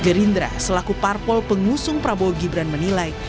gerindra selaku parpol pengusung prabowo gibran menilai